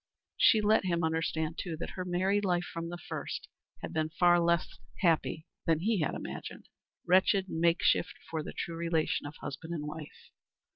She let him understand, too, that her married life, from the first, had been far less happy than he had imagined wretched makeshift for the true relation of husband and wife.